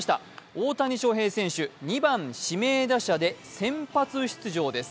大谷翔平選手、２番指名打者で先発出場です。